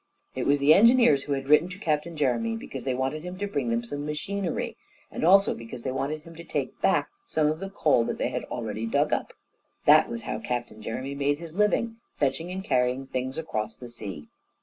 It was the engineers who had written to Captain Jeremy, because they wanted him to bring them some machinery, and also because they wanted him to take back some of the coal that they had already dug up. That was how Captain Jeremy made his living, fetching and carrying things across the sea.